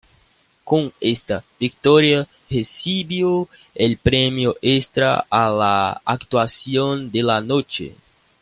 Con esta victoria, recibió el premio extra a la "Actuación de la Noche".